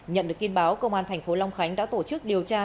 nhận được tin báo công an tp hcm đã tổ chức điều tra